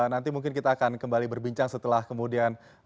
nanti mungkin kita akan kembali berbincang setelah kemudian